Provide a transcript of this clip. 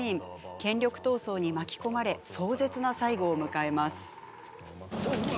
権力闘争に巻き込まれ壮絶な最期を迎えます。